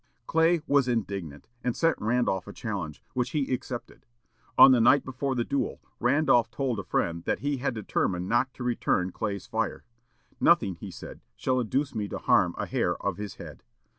Clay was indignant, and sent Randolph a challenge, which he accepted. On the night before the duel, Randolph told a friend that he had determined not to return Clay's fire. "Nothing," he said, "shall induce me to harm a hair of his head.